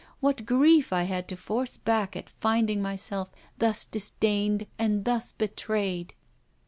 What grief I had to force back at finding myself thus disdained and thus betrayed!